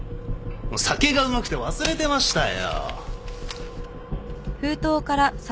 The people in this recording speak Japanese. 酒がうまくて忘れてましたよ。